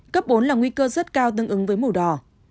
cấp bốn là nguy cơ rất cao tương ứng với màu đỏ